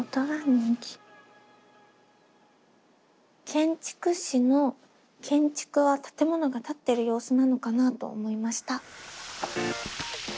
「建築士」の「建築」は建物が建ってる様子なのかなと思いました。